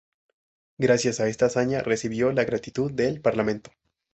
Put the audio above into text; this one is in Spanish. Gracias a esta hazaña, recibió la gratitud del Parlamento.